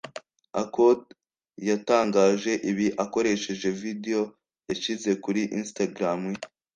Akothee yatangaje ibi akoresheje video yashyize kuri Instagram ye